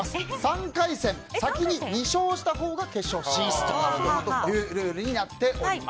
３回戦、先に２勝したほうが決勝進出というルールです。